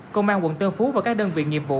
công an quận tân phú và các đơn vị nghiệp vụ